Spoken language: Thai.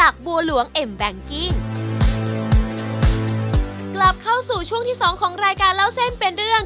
กลับเข้าสู่ช่วงที่๒ของรายการเล่าเส้นเป็นเรื่อง